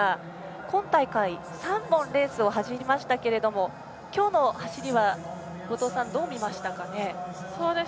今大会、３本、レースを走りましたけれども今日の走りは後藤さん、どう見ましたか？